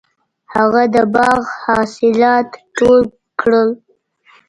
هغه د باغ حاصلات ټول کړل.